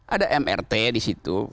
ada mrt disitu